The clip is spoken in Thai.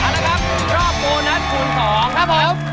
เอาละครับรอบโบนัสคูณสอง